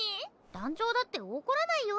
団長だって怒らないよ？